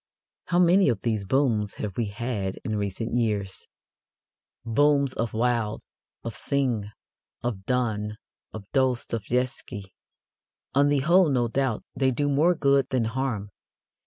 How many of these booms have we had in recent years booms of Wilde, of Synge, of Donne, of Dostoevsky! On the whole, no doubt, they do more good than harm.